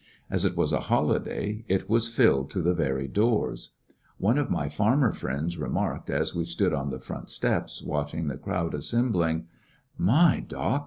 As it was a holiday, it was filled to the very doors. One of my farmer friends remarked, as we stood on the front steps watching the crowd assembling : "My, doc!